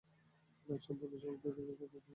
আজ সম্পূর্ণ হৃদয় থেকে কথা বলবো।